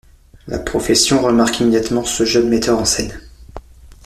La profession remarque immédiatement ce jeune metteur en scène.